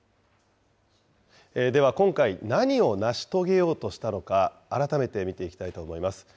では今回、何を成し遂げようとしたのか、改めて見ていきたいと思います。